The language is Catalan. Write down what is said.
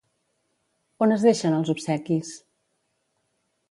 On es deixen els obsequis?